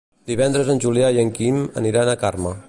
Divendres en Julià i en Quim aniran a Carme.